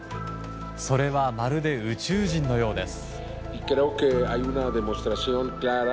それはまるで宇宙人のようです。